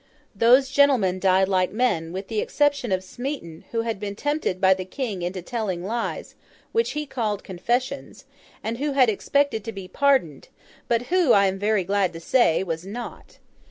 Those gentlemen died like men, with the exception of Smeaton, who had been tempted by the King into telling lies, which he called confessions, and who had expected to be pardoned; but who, I am very glad to say, was not.